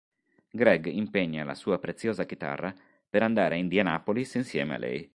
Greg impegna la sua preziosa chitarra per andare a Indianapolis insieme a lei.